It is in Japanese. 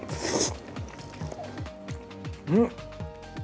うん！